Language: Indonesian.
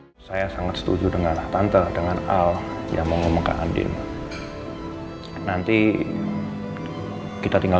hai saya sangat setuju dengan tante dengan al yang mengumumkan andin nanti kita tinggal